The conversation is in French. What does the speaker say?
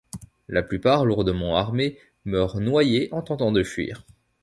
La plupart, lourdement armés, meurent noyés en tentant de fuir.